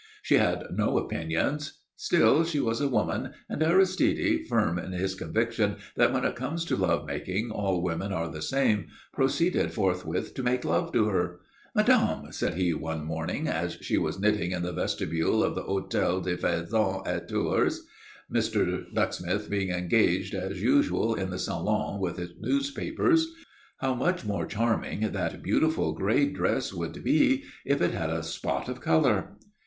She had no opinions. Still she was a woman, and Aristide, firm in his conviction that when it comes to love making all women are the same, proceeded forthwith to make love to her. "Madame," said he, one morning she was knitting in the vestibule of the Hôtel du Faisan at Tours, Mr. Ducksmith being engaged, as usual, in the salon with his newspapers "how much more charming that beautiful grey dress would be if it had a spot of colour."